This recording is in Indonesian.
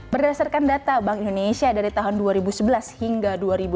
berdasarkan data bank indonesia dari tahun dua ribu sebelas hingga dua ribu dua puluh